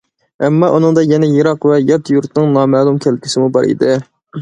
ئەمما، ئۇنىڭدا يەنە يىراق ۋە يات يۇرتنىڭ نامەلۇم كەلگۈسىمۇ بار ئىدى.